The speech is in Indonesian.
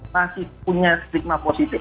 masih punya stigma positif